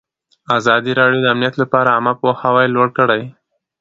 ازادي راډیو د امنیت لپاره عامه پوهاوي لوړ کړی.